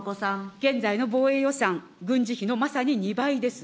現在の防衛予算、軍事費のまさに２倍です。